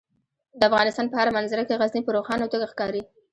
د افغانستان په هره منظره کې غزني په روښانه توګه ښکاري.